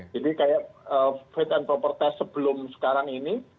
jadi kayak fit and proper test sebelum sekarang ini